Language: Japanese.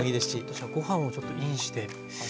私はご飯をちょっとインして。